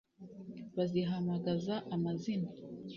Bazihamagaza amazina!